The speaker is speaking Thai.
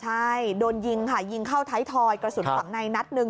ใช่โดนยิงค่ะยิงเข้าท้ายทอยกระสุนฝั่งในนัดหนึ่ง